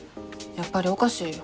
やっぱりおかしいよ。